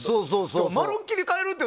でもまるっきり変えるっていう。